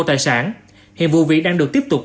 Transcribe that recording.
tài sản hiện vụ vị đang được tiếp tục